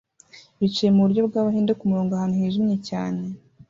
bicaye muburyo bwabahinde kumurongo ahantu hijimye cyane